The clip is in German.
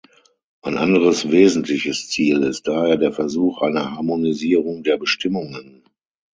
Ein anderes wesentliches Ziel ist daher der Versuch einer Harmonisierung der Bestimmungen.